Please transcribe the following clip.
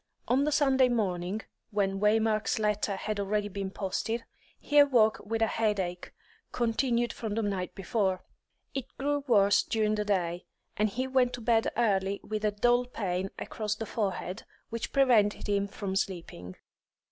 On the Sunday morning when Waymark's letter had already been posted he awoke with a headache, continued from the night before. It grew worse during the day, and he went to bed early with a dull pain across the forehead, which prevented him from sleeping.